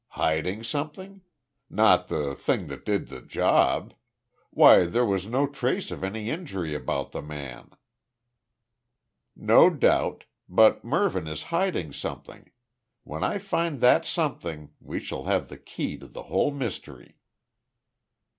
"Hiding something? Not the thing that did the job? Why there was no trace of any injury about the man." "No doubt. But Mervyn is hiding something. When I find that something we shall have the key to the whole mystery."